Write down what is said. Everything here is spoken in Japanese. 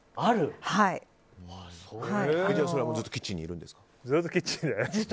それはずっとキッチンにいるんですか？